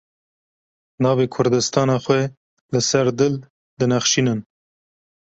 Navê kurdistana xwe li ser dil dinexşînin.